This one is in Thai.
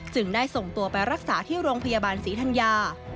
ได้ส่งตัวไปรักษาที่โรงพยาบาลศรีธัญญา